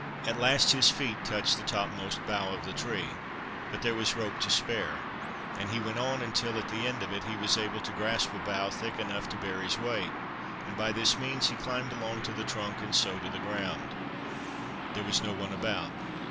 At last his feet touched the topmost bough of the tree, but there was rope to spare ; and he went on until, at the end of it, he was able to grasp a bough thick enough to bear his weight ; and by this means he climbed along to the trunk, and so to the ground. There was no one about.